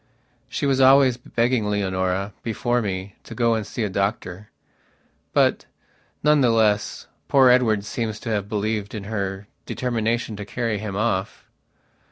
She was always begging Leonora, before me, to go and see a doctor. But, none the less, poor Edward seems to have believed in her determination to carry him off.